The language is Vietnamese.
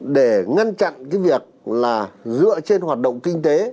để ngăn chặn cái việc là dựa trên hoạt động kinh tế